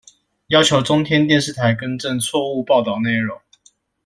要求中天電視台更正錯誤報導內容